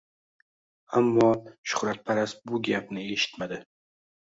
Ammo shuhratparast bu gapni eshitmadi.